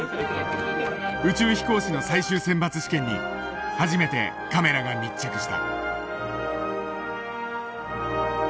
宇宙飛行士の最終選抜試験に初めてカメラが密着した。